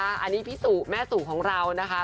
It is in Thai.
อันนี้พี่สุแม่สู่ของเรานะคะ